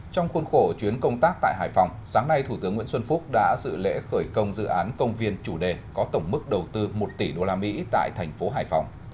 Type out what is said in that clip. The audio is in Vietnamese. trong khuôn khổ chuyến công tác tại hải phòng sáng nay thủ tướng nguyễn xuân phúc đã dự lễ khởi công dự án công viên chủ đề có tổng mức đầu tư một tỷ usd tại thành phố hải phòng